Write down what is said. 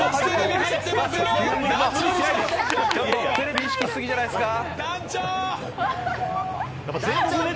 テレビ意識しすぎじゃないですか。